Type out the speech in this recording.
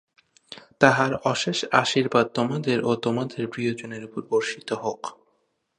তাঁহার অশেষ আশীর্বাদ তোমাদের ও তোমাদের প্রিয়জনের উপর বর্ষিত হোক।